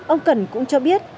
ông cẩn cũng cho biết